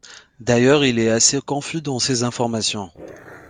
D'ailleurs il est assez confus dans ses informations.